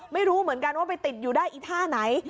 ไม่รู้เหมือนกันว่าไปติดอยู่ได้อีท่าไหน